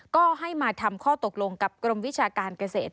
ก็ให้มาทำข้อตกลงกับกรมวิชาการเกษตร